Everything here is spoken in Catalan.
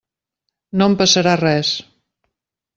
No em passarà res.